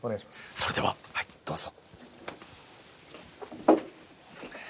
それではどうぞ。